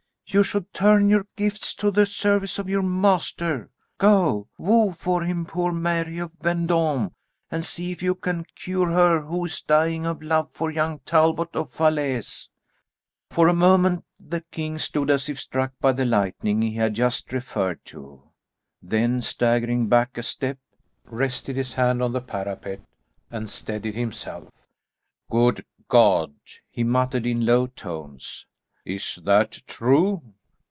"You should turn your gifts to the service of your master. Go, woo for him poor Mary of Vendôme, and see if you can cure her who is dying of love for young Talbot of Falaise." For a moment the king stood as if struck by the lightning he had just referred to, then staggering back a step, rested his hand on the parapet and steadied himself. "Good God!" he muttered in low tones, "is that true?"